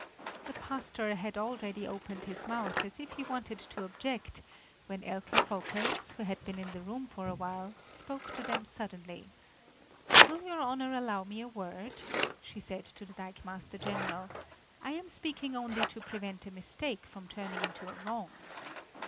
The pastor had already opened his mouth, as if he wanted to object, when Elke Volkers, who had been in the room for a while, spoke to them suddenly: "Will your Honor allow me a word?" she said to the dikemaster general; "I am speaking only to prevent a mistake from turning into a wrong."